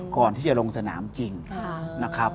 ก่อนที่จะลงสนามจริงนะครับ